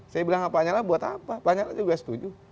saya bilang apa nyala buat apa pak nyala juga setuju